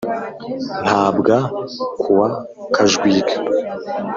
ntabwa kuwa kajwiga